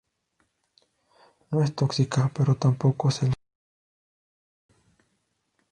No es tóxica, pero tampoco se la considera comestible.